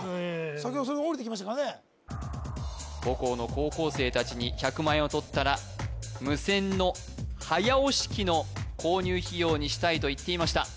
先ほどおりてきましたからね母校の高校生達に１００万円をとったら無線の早押し機の購入費用にしたいと言っていました